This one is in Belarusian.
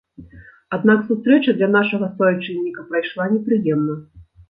Аднак сустрэча для нашага суайчынніка прайшла непрыемна.